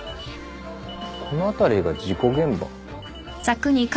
この辺りが事故現場？